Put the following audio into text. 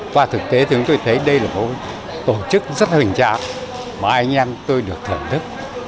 qua thực tế thì chúng tôi thấy đây là một tổ chức rất hình trạng mà anh em tôi được thưởng thức